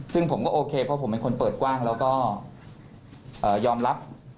ซึ่งผมก็โอเคเพราะผมเป็นคนเปิดกว้างแล้วก็ยอมรับ